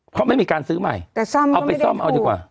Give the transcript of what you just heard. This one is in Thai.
เพราะไม่มีการซื้อใหม่แต่ซ่อมเอาไปซ่อมเอาดีกว่า